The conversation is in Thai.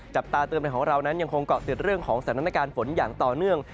จับตาเตือนในของเรานั้นยังคงเกาะติดเรื่องของสถานการณ์ฝนอย่างต่อเนื่อง